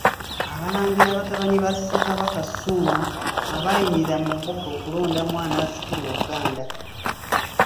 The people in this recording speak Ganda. Abalangira batabani ba Ssekabaka Ssuuna abaayimirira mu Mbuga okulondamu anaasikira Obuganda.